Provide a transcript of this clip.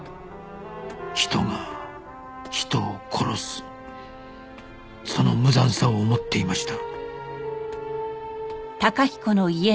人が人を殺すその無残さを思っていました